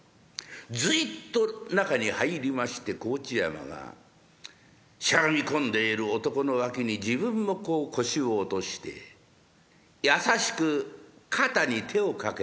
ずいっと中に入りまして河内山がしゃがみ込んでいる男の脇に自分もこう腰を落として優しく肩に手をかけてやる。